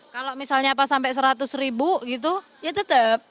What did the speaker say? kalau misalnya sampai seratus ribu gitu ya tetep